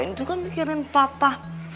apa itu kan mikirin papa